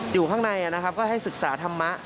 อยู่ข้างในก็ให้ศึกษาธรรมะ